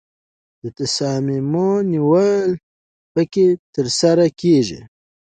د تصامیمو نیول پکې ترسره کیږي.